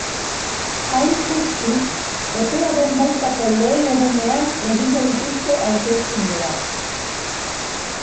Hain justu, epe horren baitako lehen egunean egingo dituzte hauteskundeak.